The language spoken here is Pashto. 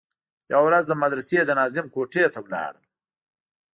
يوه ورځ د مدرسې د ناظم کوټې ته ولاړم.